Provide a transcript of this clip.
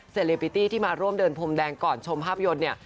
เลปิตี้ที่มาร่วมเดินพรมแดงก่อนชมภาพยนตร์เนี่ย